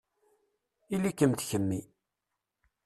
Ili-kem d kemmi.